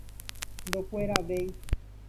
Ndokueravéi.